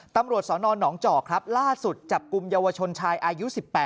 ตำรวจสนหนองจอกครับล่าสุดจับกลุ่มเยาวชนชายอายุ๑๘